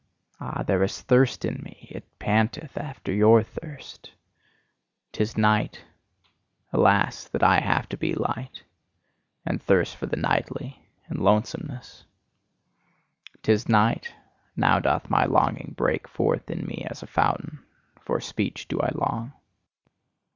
Ah, there is thirst in me; it panteth after your thirst! 'Tis night: alas, that I have to be light! And thirst for the nightly! And lonesomeness! 'Tis night: now doth my longing break forth in me as a fountain, for speech do I long.